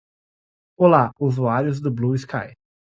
Olá, usuários do BlueSky